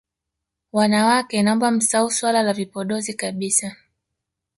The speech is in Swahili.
Wanawake naomba msahau swala la vipodozi kabisa